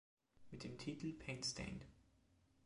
Mit dem Titel Painstained.